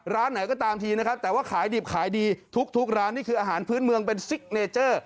ร้านไหนก็ตามทีนะครับแต่ว่าขายดิบขายดีทุกร้านนี่คืออาหารพื้นเมืองเป็นซิกเนเจอร์